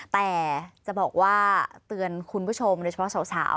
แต่จะบอกว่าเตือนคุณผู้ชมโดยเฉพาะสาว